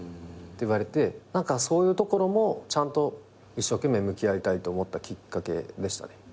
何かそういうところもちゃんと一生懸命向き合いたいと思ったきっかけでしたね。